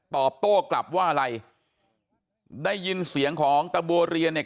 ตอบโต้กลับว่าอะไรได้ยินเสียงของตะบัวเรียนเนี่ย